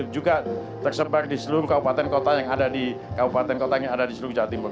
juga tersebar di seluruh kabupaten kota yang ada di seluruh jawa timur